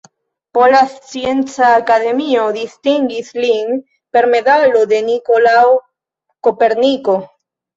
Pola Scienca Akademio distingis lin per medalo de Nikolao Koperniko.